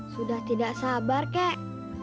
sudah tidak sabar kek